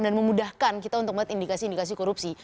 dan memudahkan kita untuk melihat indikasi indikasi korupsi